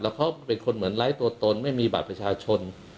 เขาเป็นคนเหมือนไร้ตัวตนไม่มีบัตรประชาชน